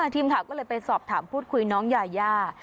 ทีมข่าวก็เลยไปสอบถามพูดคุยน้องยายา